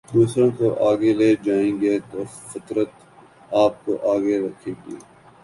دوسروں کو آگے لے جائیں گے تو فطرت آپ کو آگے رکھے گی